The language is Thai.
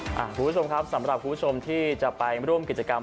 คุณผู้ชมครับสำหรับคุณผู้ชมที่จะไปร่วมกิจกรรม